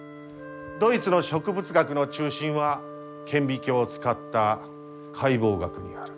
ドイツの植物学の中心は顕微鏡を使った解剖学にある。